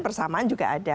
persamaan juga ada